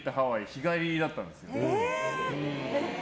日帰りだったんですよ。